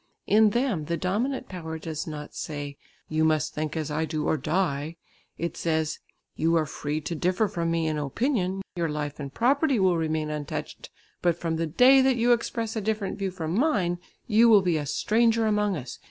In them the dominant power does not say, 'You must think as I do, or die;' it says, 'You are free to differ from me in opinion; your life and property will remain untouched, but from the day that you express a different view from mine, you will be a stranger among us.